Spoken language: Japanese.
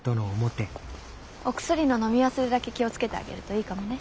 お薬の飲み忘れだけ気を付けてあげるといいかもね。